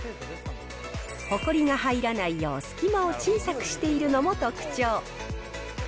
ほこりが入らないよう隙間を小さくしているのも特徴。